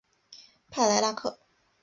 帕莱拉克。